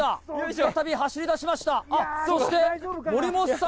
再び走りだしました。